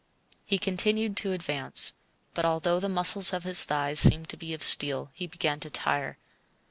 He continued to advance, but although the muscles of his thighs seemed to be of steel, he began to tire.